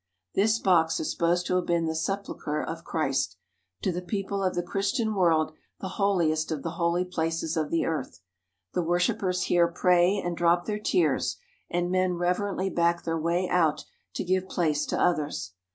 This box is supposed to have been the sepulchre of Christ, to the people of the Christian world the holiest of the holy places of the earth. The worshippers here pray and drop their tears, and men reverently back their way out to give place to others.